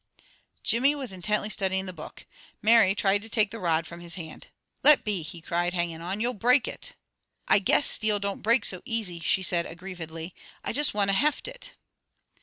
Jimmy was intently studying the book. Mary tried to take the rod from his hand. "Let be!" he cried, hanging on. "You'll break it!" "I guess steel don't break so easy," she said aggrievedly. "I just wanted to 'heft' it."